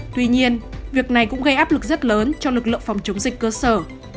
tuy nhiên việc này cũng gây áp lực rất lớn cho lực lượng phòng chống dịch cơ sở